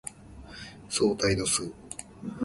相対度数